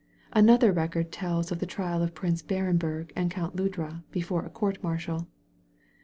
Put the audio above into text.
Another record tells of the trial of Prince BUren berg and Count Ludra before a court martial.